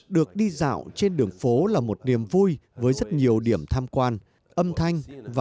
được đi dạo trên đường phố là một điểm vui với rất nhiều điểm tham quan